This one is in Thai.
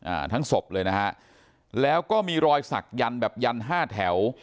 อ่าทั้งศพเลยนะฮะแล้วก็มีรอยสักยันต์แบบยันห้าแถว